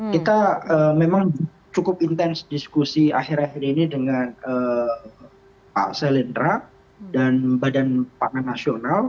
kita memang cukup intens diskusi akhir akhir ini dengan pak selendra dan badan pangan nasional